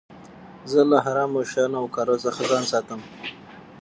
زه له حرامو شيانو او کارو څخه ځان ساتم.